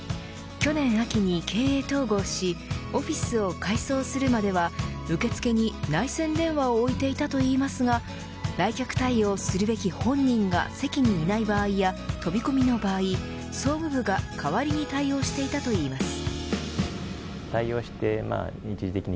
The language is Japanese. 去年秋に経営統合しオフィスを改装するまでは受付に内線電話を置いていたといいますが来客対応するべき本人が席にいない場合や飛び込みの場合、総務部が代わりに対応していたといいます。